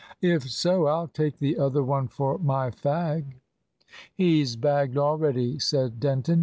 "If so, I'll take the other one for my fag." "He's bagged already," said Denton.